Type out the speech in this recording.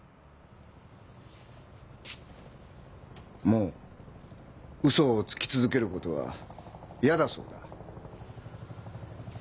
もうウソをつき続けることは嫌だそうだ。